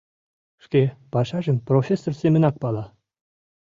Шке пашажым профессор семынак пала.